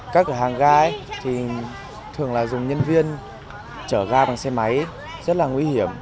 các cửa hàng ga thì thường là dùng nhân viên chở ga bằng xe máy rất là nguy hiểm